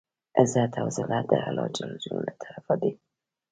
عزت او زلت د الله ج له طرفه دی.